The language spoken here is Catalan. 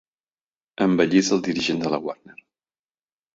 Embellís el dirigent de la Warner.